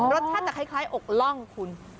รสชาติจะคล้ายอกล่องคุณ